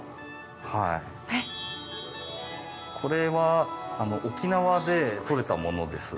これは沖縄で取れたものです。